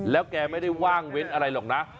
แล้วแกไม่ได้ว่างเว้นอะไรหรอกนะ